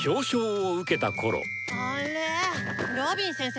あっれぇロビン先生